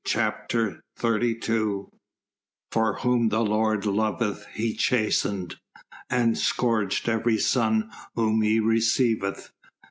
CHAPTER XXXII "For whom the Lord loveth He chasteneth, and scourgeth every son whom He receiveth."